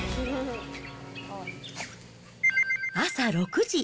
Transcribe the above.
朝６時。